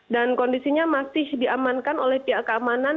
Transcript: dan kondisinya masih diamankan oleh pihak keamanan